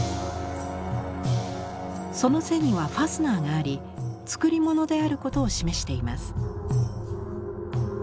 その背にはファスナーがあり作り物であることを示しています。